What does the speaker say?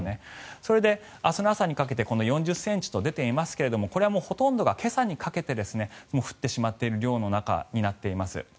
それで、明日の朝にかけて４０ｃｍと出ていますがこれはほとんどが今朝にかけて降ってしまっている量になっています。